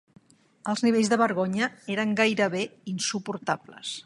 Els nivells de vergonya eren gairebé insuportables.